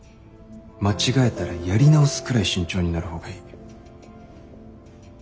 間違えたらやり直すくらい慎重になる方がいい。